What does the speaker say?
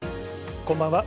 こんばんは。